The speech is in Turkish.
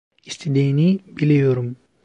İstediğini biliyorum.